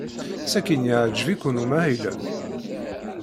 Sakkin yeɛjeb-iken umahil-a?